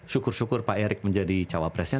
syukur syukur pak erick menjadi cawapresnya